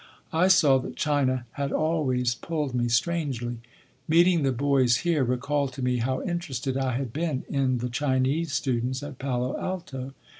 I saw that China had always pulled me strangely. Meeting the boys here recalled to me how interested I had been in the Chinese students at Palo Alto.